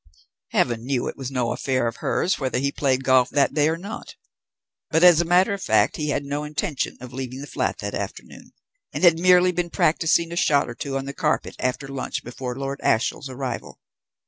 Heaven knew it was no affair of hers whether he played golf that day or not! But as a matter of fact he had no intention of leaving the flat that afternoon, and had merely been practising a shot or two on the carpet after lunch before Lord Ashiel's arrival.